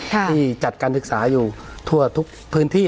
ที่จัดการศึกษาอยู่ทั่วทุกพื้นที่